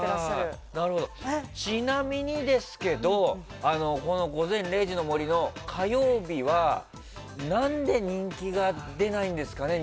ちなみにですけど「午前０時の森」の火曜日は何で人気が出ないんですかね？